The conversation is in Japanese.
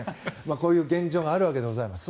こういう現状があるわけでございます。